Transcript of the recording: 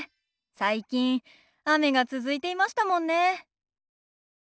最近雨が続いていましたもんね。